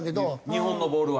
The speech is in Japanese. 日本のボールは。